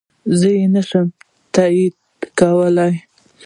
زه يي نشم تاييد کولی